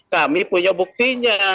kami punya buktinya